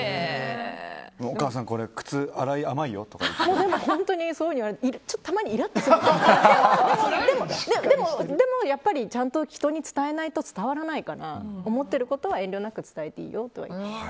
お母さん、靴洗いが甘いよとか。たまにイラッとするんですけどでも、やっぱりちゃんと人に伝えないと伝わらないから思ってることは遠慮なく伝えていいよとは。